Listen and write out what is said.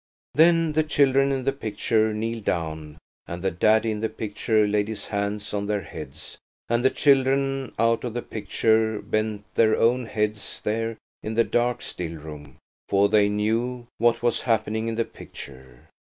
Then the children in the picture kneeled down, and the daddy in the picture laid his hands on their heads, and the children out of the picture bent their own heads there in the dark still room, for they knew what was happening in the picture.